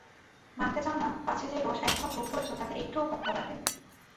মানতে চাও না, পাছে যে রস এখন ভোগ করছ তাতে একটুও খটকা বাধে।